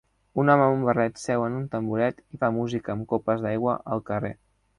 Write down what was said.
Un home amb un barret seu en un tamboret i fa música amb copes d'aigua al carrer